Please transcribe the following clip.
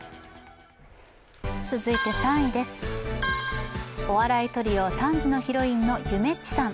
続いて３位です、お笑いトリオ・３時のヒロインのゆめっちさん。